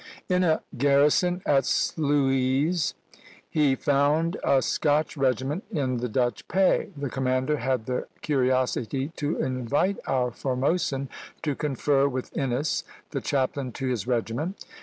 In a garrison at Sluys he found a Scotch regiment in the Dutch pay; the commander had the curiosity to invite our Formosan to confer with Innes, the chaplain to his regiment.